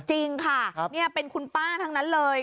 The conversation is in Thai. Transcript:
จริงค่ะนี่เป็นคุณป้าทั้งนั้นเลย